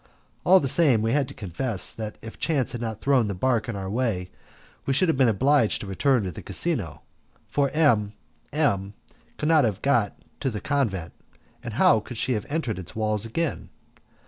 All the same we had to confess that if chance had not thrown the barque in our way we should have been obliged to return to the casino, for M M could not have got to the convent, and how could she ever have entered its walls again?